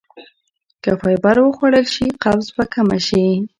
که فایبر وخوړل شي قبض به کمه شي.